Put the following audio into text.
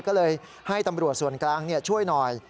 ก็เลยให้ตำรวจส่วนกลางช่วยหน่อย